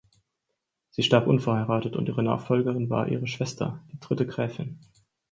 Sie starb unverheiratet und ihre Nachfolgerin war ihre Schwester, die dritte Gräfin.